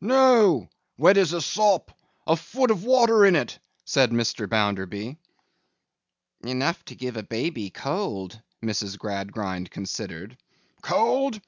'No! As wet as a sop. A foot of water in it,' said Mr. Bounderby. 'Enough to give a baby cold,' Mrs. Gradgrind considered. 'Cold?